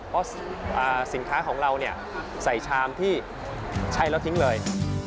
เพราะสินค้าของเราเนี่ยใส่ชามที่ใช้แล้วทิ้งเลย